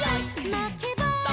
「まけば」